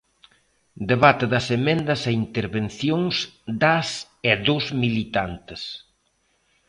Debate das emendas e intervencións das e dos militantes.